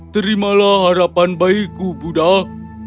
terimalah harapan baikku buddha